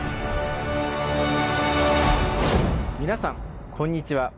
皆さんこんにちは。